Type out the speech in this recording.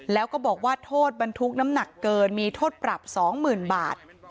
แล้วก็บอกว่าโทษบรรทุกน้ำหนักเกินมีโทษปรับ๒๐๐๐บาท